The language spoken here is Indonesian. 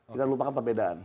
kita lupakan perbedaan